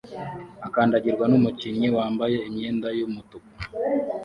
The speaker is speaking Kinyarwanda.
akandagirwa numukinnyi wambaye imyenda yumutuku